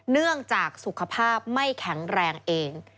เนื่องจากสุขภาพไม่แข็งแรงเอง